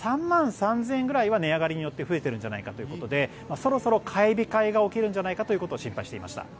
３万３０００円ぐらいは値上がりによって増えているんじゃないかということでそろそろ買い控えが起きるんじゃないかということを心配していました。